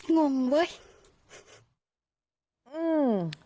งงเว้ย